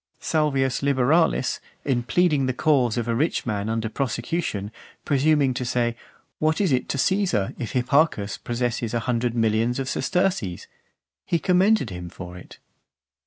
Salvius Liberalis, in pleading the cause of a rich man under prosecution, presuming to say, "What is it to Caesar, if Hipparchus possesses a hundred millions of sesterces?" he commended him for it.